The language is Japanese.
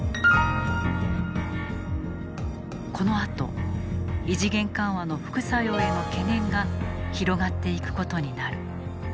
このあと異次元緩和の副作用への懸念が広がっていくことになる。